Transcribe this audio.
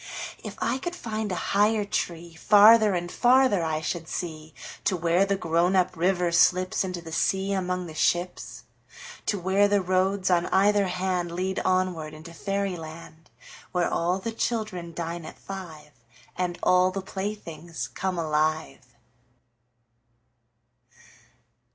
If I could find a higher treeFarther and farther I should see, To where the grown up river slipsInto the sea among the ships. To where the roads on either handLead onward into fairy land, Where all the children dine at five, And all the playthings come alive.